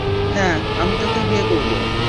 হ্যাঁ, আমি তোকে বিয়ে করব।